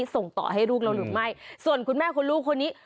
ส่งต่อให้ลูกเราหรือไม่ส่วนคุณแม่คุณลูกคนนี้